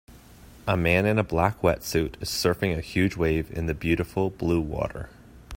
A man in a black wet suite is surfing a huge wave in the beautiful blue water.